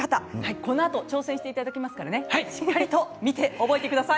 このあと挑戦していただきますからねしっかり見て覚えてください。